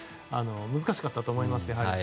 難しかったと思います。